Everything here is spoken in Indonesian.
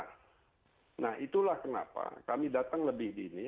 nah itulah kenapa kami datang lebih dini